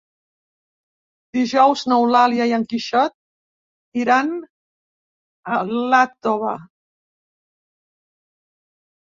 Dijous n'Eulàlia i en Quixot iran a Iàtova.